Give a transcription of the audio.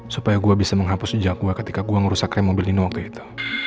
supaya gue bisa menghapus jejak gue ketika gue ngerusak rem mobil di new york itu